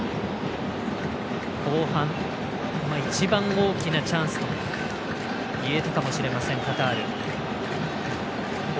後半、一番大きなチャンスといえたかもしれませんカタール。